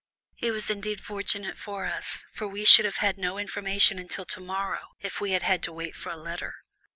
"It was indeed fortunate for us, for we should have had no information until to morrow, if we had had to wait for a letter."